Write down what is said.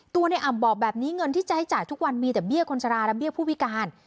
ในอ่ำบอกแบบนี้เงินที่ใช้จ่ายทุกวันมีแต่เบี้ยคนชะลาและเบี้ยผู้พิการ